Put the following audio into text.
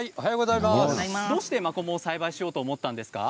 どうしてマコモを栽培しようと思ったんですか。